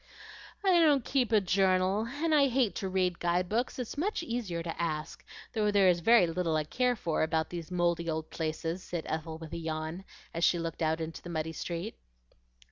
"I don't keep a journal, and I hate to read guide books; it's much easier to ask, though there is very little I care for about these mouldy old places," said Ethel with a yawn, as she looked out into the muddy street.